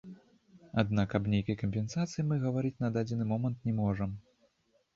Аднак аб нейкай кампенсацыі мы гаварыць на дадзены момант не можам.